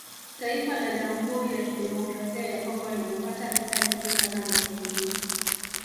Taifa la Jamhuri ya Kidemokrasia ya Congo linapata pesa nyingi sana za kigeni